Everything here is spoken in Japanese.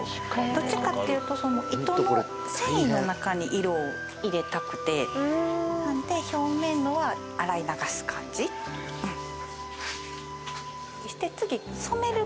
どっちかっていうとその糸の繊維のなかに色を入れたくて表面のは洗い流す感じうん